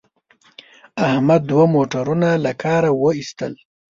احمد دوه موټرونه له کاره و ایستل.